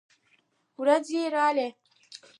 ورېځې راغلې